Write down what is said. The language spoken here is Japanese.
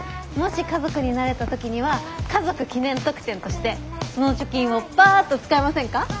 もし家族になれた時には家族記念特典としてその貯金をパァッと使いませんか？